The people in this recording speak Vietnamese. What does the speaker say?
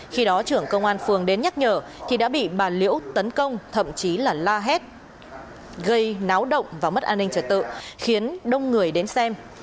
khi đó trưởng công an phường đến nhắc nhở thì đã bị bà liễu tấn công thậm chí là la hét gây náo động và mất an ninh trật tự khiến đông người đến xem